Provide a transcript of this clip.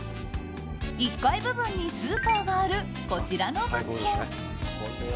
１階部分にスーパーがあるこちらの物件。